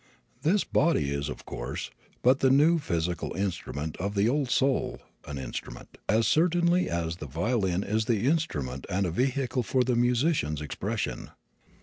The body is, of course, but the new physical instrument of the old soul an instrument, as certainly as the violin is the instrument and a vehicle for the musician's expression.